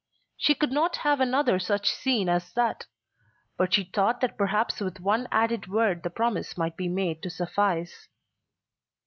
She could not have another such scene as that. But she thought that perhaps with one added word the promise might be made to suffice.